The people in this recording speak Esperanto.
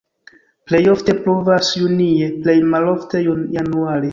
Plej ofte pluvas junie, plej malofte januare.